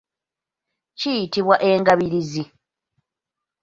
Kiyitibwa engabirizi.